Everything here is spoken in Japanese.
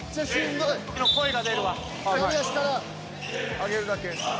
上げるだけ。